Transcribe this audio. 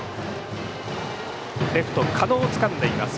レフト狩野つかんでいます。